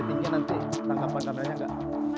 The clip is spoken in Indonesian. ketinggian nanti tangkapan kameranya enggak